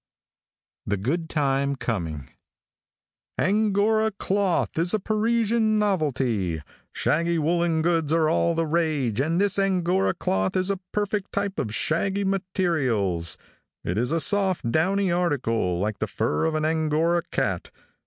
THE GOOD TIME COMING. |ANGORA cloth is a Parisian novelty. Shaggy woolen goods are all the rage, and this Angora cloth is a perfect type of shaggy materials. It is a soft, downy article, like the fur of an Angora cat.